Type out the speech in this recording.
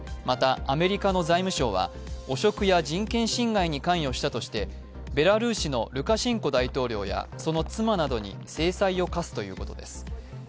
また、アメリカの財務省は汚職や人権侵害に関与したとしてベラルーシのルカシェンコ大統領やその妻などに制裁を科すということです。